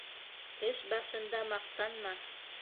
Эш башында маҡтанма.